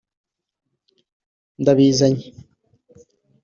ndabizanye